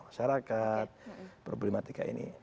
masyarakat problematika ini